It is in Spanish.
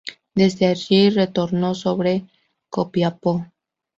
Desde allí retornó sobre Copiapó.